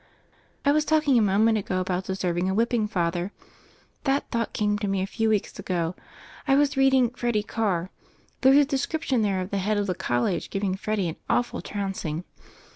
"I was talking a moment ago about deserv ing a whipping, Father; that thought came to me a few weeKs ago. I was reading *Freddy Cam' There's a description there of the head of the College giving Freddy an awful trouncing.